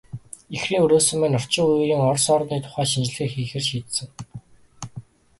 Ихрийн өрөөсөн маань орчин үеийн Орос орны тухай шинжилгээ хийхээр шийдсэн.